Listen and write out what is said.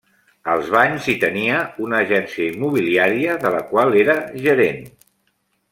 Als Banys hi tenia una agència immobiliària de la qual era gerent.